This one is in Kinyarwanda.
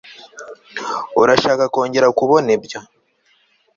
Urashaka kongera kubona ibyo